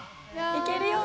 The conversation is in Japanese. いけるよ。